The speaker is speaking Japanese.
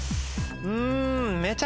うん。